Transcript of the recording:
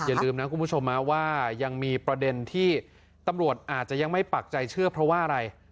อย่าลืมนะคุณผู้ชมนะว่ายังมีประเด็นที่ตำรวจอาจจะยังไม่ปักใจเชื่อเพราะว่าอะไร